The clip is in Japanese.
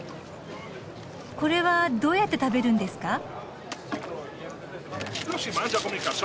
これはどうやって食べるんですか？